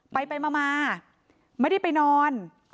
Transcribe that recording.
ไปไปมามาไม่ได้ไปนอน